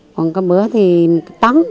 còn cái bữa thì một tấn